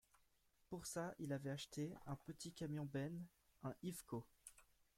Pour ça il avait acheté un petit camion benne, un Iveco.